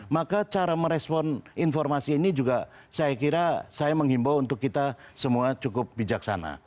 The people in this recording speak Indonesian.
maka cara merespon informasi ini juga saya kira saya menghimbau untuk kita semua cukup bijaksana